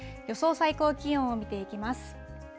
最高気温を見ていきます。